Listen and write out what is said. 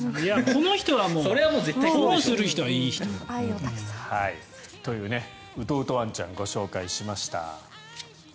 この人は、保護する人はいい人。というウトウトワンちゃんをご紹介しました。